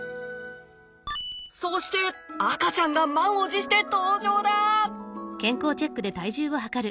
そして赤ちゃんが満を持して登場だ！